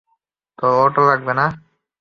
তোর অটো লাগবে না?